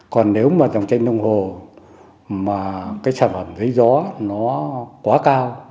còn nếu mà dòng tranh đông hồ mà sản phẩm giấy gió nó quá cao